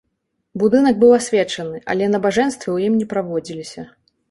Будынак быў асвечаны, але набажэнствы ў ім не праводзіліся.